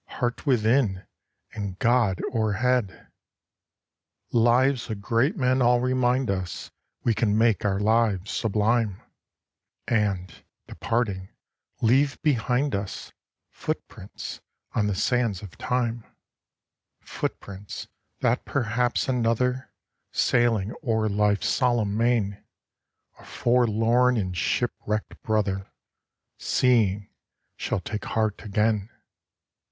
Heart within, and God o'erhead ! A PSALM OF LIFE. Lives of great men all remind us We can make our lives sublime, And, departing, leave behind us Footsteps on the sands of time ; Footsteps, that perhaps another, Sailing o'er life's solemn main, A forlorn and shipwrecked brother, Seeing, shall take heart again.